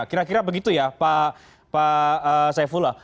kira kira begitu ya pak saifullah